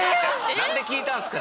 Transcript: なんで聞いたんすか？